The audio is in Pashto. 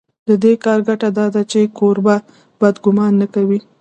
د دې کار ګټه دا ده چې کوربه بد ګومان نه کوي.